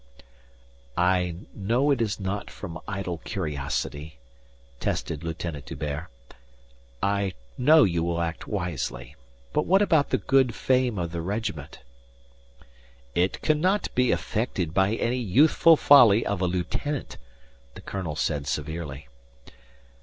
"I know it is not from idle curiosity," tested Lieutenant D'Hubert. "I know you will act wisely. But what about the good fame of the regiment?" "It cannot be affected by any youthful folly of a lieutenant," the colonel said severely.